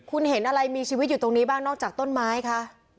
คุณเห็นอะไรมีชีวิตอยู่ตรงนี้บ้างนอกจากต้นไม้คะ